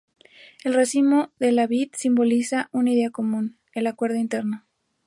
El racimo de la vid simboliza una idea común: el acuerdo interno.